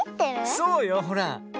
そうよほら。